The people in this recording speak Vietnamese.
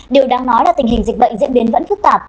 điều đáng nói là tình hình dịch bệnh diễn biến vẫn phức tạp